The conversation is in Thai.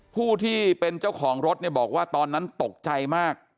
ผู้ที่เป็นเจ้าของรถเนี่ยบอกว่าตอนนั้นตกใจมาก